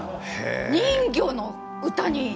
人形の歌に！？